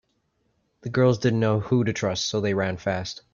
The girls didn’t know who to trust so they ran fast.